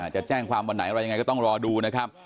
จะแจ้งความวันไหนอะไรยังไงก็ต้องรอดูนะครับ